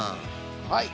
はい。